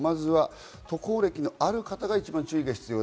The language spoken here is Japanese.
渡航歴のある方が一番注意が必要。